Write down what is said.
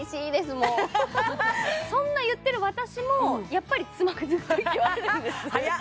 もうそんな言ってる私もやっぱりつまずくときはあるんですははははっ！